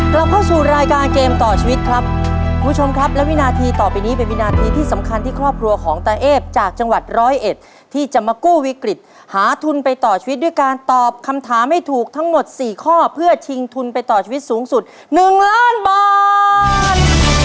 เราเข้าสู่รายการเกมต่อชีวิตครับคุณผู้ชมครับและวินาทีต่อไปนี้เป็นวินาทีที่สำคัญที่ครอบครัวของตาเอฟจากจังหวัดร้อยเอ็ดที่จะมากู้วิกฤตหาทุนไปต่อชีวิตด้วยการตอบคำถามให้ถูกทั้งหมดสี่ข้อเพื่อชิงทุนไปต่อชีวิตสูงสุดหนึ่งล้านบาท